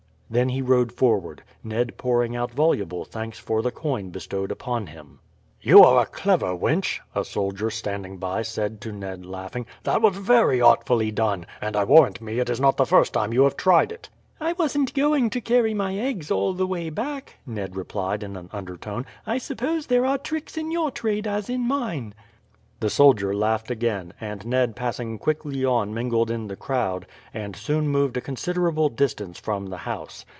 Then he rode forward, Ned pouring out voluble thanks for the coin bestowed upon him. "You are a clever wench," a soldier standing by said to Ned laughing. "That was very artfully done, and I warrant me it is not the first time you have tried it." "I wasn't going to carry my eggs all the way back," Ned replied in an undertone. "I suppose there are tricks in your trade as in mine." The soldier laughed again, and Ned passing quickly on mingled in the crowd, and soon moved away a considerable distance from the house.